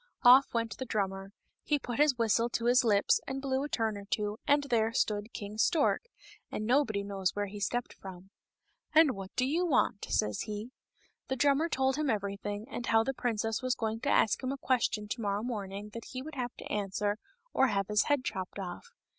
Of! went the drummer ; he put his whistle to his lips and blew a turn or two, and there stood King Stork, and nobody knows where he stepped from. " And what do you want ?" says he. The drummer told him everything, and how the princess was going to ask him a question to morrow morning that he would have to answer, or have his head chopped off.